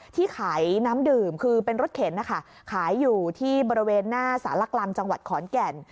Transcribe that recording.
ที่ขายน้ำดื่มคือเป็นรถเข็นนะคะขายอยู่ที่บริเวณหน้าสารกลางจังหวัดขอนแก่น